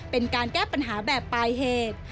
เป็นการแก้ปัญหาแบบปลายเหตุ